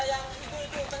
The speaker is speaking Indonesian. ya yang itu itu